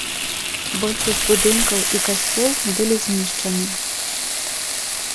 Большасць будынкаў і касцёл былі знішчаны.